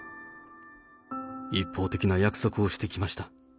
一方的な約束をしてきました。